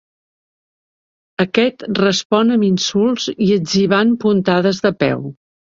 Aquest respon amb insults i etzibant puntades de peu.